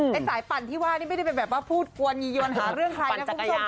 สายปั่นที่ว่านี่ไม่ได้เป็นแบบว่าพูดกวนยียวนหาเรื่องใครนะคุณผู้ชม